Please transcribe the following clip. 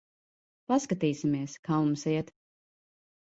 Paskatīsimies, kā mums iet.